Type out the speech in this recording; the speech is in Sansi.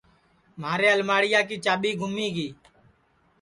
مھارے الماڑیا کی کُچی گُمی گی